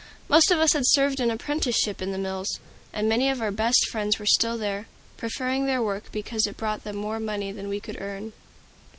Most of us had served an apprenticeship in the mills, and many of our best friends were still there, preferring their work because it brought them more money than we could earn.